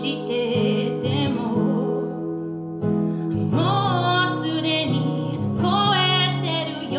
「もうすでに超えてるよ」